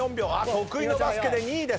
得意のバスケで２位です。